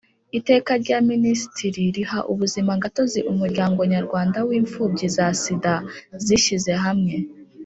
Iteka rya minisitiri riha ubuzimagatozi umuryango nyarwanda w imfubyi za sida zishyize hamwe